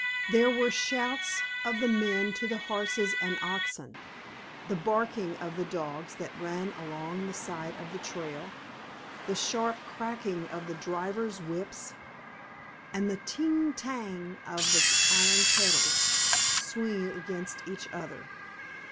There were the shouts of the men to the horses and oxen, the barking of the dogs that ran along the side of the trail, the sharp cracking of the drivers' whips, and the ting tang of the iron kettles swinging against each other.